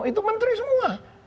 itu menteri semua